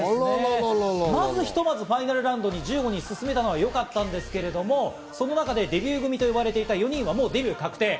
ひとまずファイナルラウンドに１５人進めたのはよかったんですけれども、その中でデビュー組と言われていた４人はもうデビューが確定。